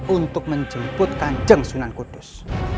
untuk menjemput kanjeng sunan kudus